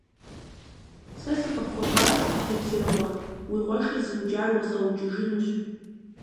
Сэ сыкъыпхуэкӀуащ, Тепсэрыкъуэ, уи къуэшыр зыукӀар уэзгъэукӀыжынущ.